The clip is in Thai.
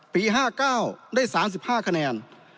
ปี๕๙ได้๓๕คะแนน